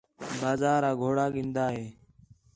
بازارا گھوڑا گِندا ہیں